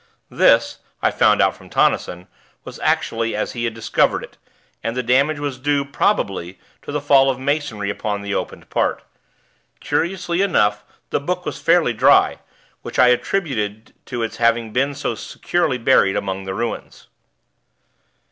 This, I found out from Tonnison, was actually as he had discovered it, and the damage was due, probably, to the fall of masonry upon the opened part. Curiously enough, the book was fairly dry, which I attributed to its having been so securely buried among the ruins.